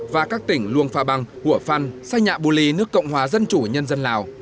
và các tỉnh luông pha băng hủa phăn sai nhạ bù lì nước cộng hòa dân chủ nhân dân lào